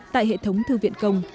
tại hệ thống thư viện công